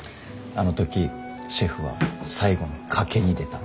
あの時シェフは最後の賭けに出た。